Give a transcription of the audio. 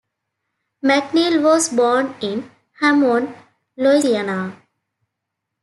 McNeil was born in Hammond, Louisiana.